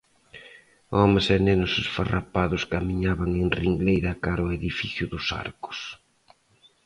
Homes e nenos esfarrapados camiñaban en ringleira cara ao edificio dos arcos;